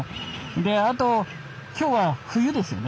であと今日は冬ですよね。